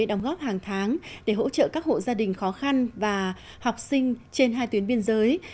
đóng góp hàng tháng để hỗ trợ các hộ gia đình khó khăn và học sinh trên hai tuyến biên giới